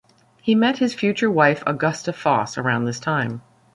He met his future wife Augusta Foss around this time.